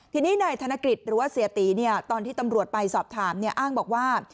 ทีนี้นายธนกฤษหรือว่าเสียตีตอนที่ตำรวจไปสอบถามอ้างบอกว่า